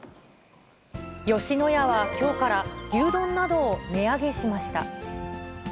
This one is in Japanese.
吉野家はきょうから、牛丼などを値上げしました。